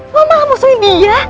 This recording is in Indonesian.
lu malah musuhin dia